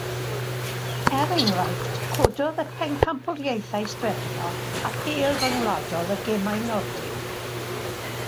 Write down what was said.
Er enghraifft, cododd y pencampwriaethau sglefrio apêl ryngwladol y Gemau Nordig.